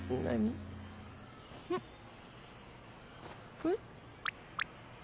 あっ。